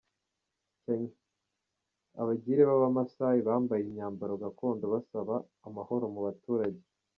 Kenya: Abagire b’aba Maassai bambaye imyambaro gakondo basaba amahoro mu baturage.